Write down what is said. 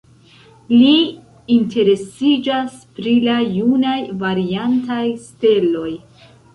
Li interesiĝas pri la junaj variantaj steloj.